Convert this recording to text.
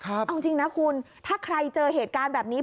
เอาจริงนะคุณถ้าใครเจอเหตุการณ์แบบนี้